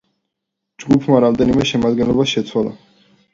ჯგუფმა რამდენიმე შემადგენლობა შეიცვალა.